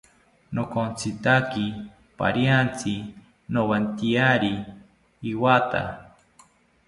Nonkotzitaki pariantzi nowantyari iwatha